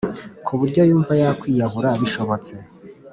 ku buryo yumva yakwiyahura bishobotse